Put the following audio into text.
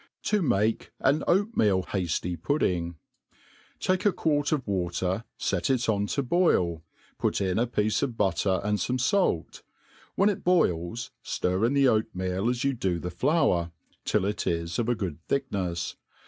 To make an Oatmeal Hajiy Pudding. Take a quart of water, fet it on to boil, put in a piece of butter and fome fait; when it boils, ftir in the oatmeal as you do the flour, till it is of a good thicknefs.